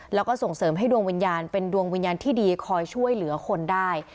แล้วก็ส่งเสริมให้ดวงวิญญาณเป็นดวงวิญญาณที่ดีคอยช่วยเหลือคนได้